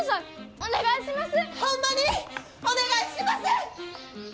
お願いします！